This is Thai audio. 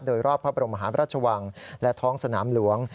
โดยรอบพระบรมหาพระราชวังและท้องสนามหลวง